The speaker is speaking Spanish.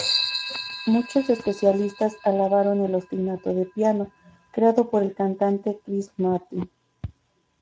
Muchos especialistas alabaron el ostinato de piano, creado por el cantante Chris Martin.